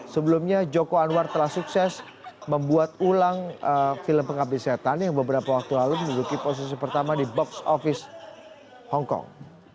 sebelumnya joko anwar telah sukses membuat ulang film pengabdi setan yang beberapa waktu lalu menduduki posisi pertama di box office hongkong